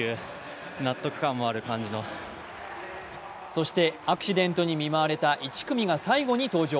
そしてアクシデントに見舞われた１組が最後に登場。